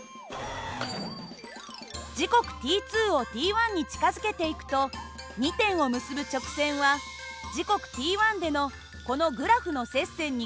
時刻ｔをｔに近づけていくと２点を結ぶ直線は時刻ｔでのこのグラフの接線に限りなく近づきます。